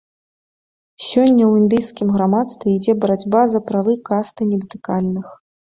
Сёння ў індыйскім грамадстве ідзе барацьба за правы касты недатыкальных.